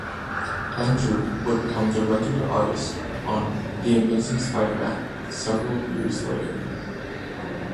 Andru would become the regular artist on "The Amazing Spider-Man" several years later.